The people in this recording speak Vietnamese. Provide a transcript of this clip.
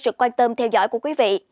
sự quan tâm theo dõi của quý vị